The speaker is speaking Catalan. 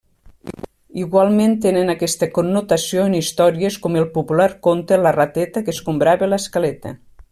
Igualment tenen aquesta connotació en històries com el conte popular La rateta que escombrava l'escaleta.